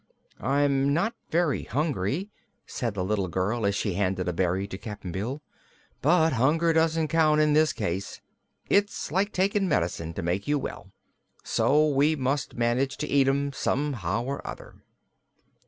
"I'm not very hungry," said the little girl as she handed a berry to Cap'n Bill, "but hunger doesn't count, in this case. It's like taking medicine to make you well, so we must manage to eat 'em, somehow or other."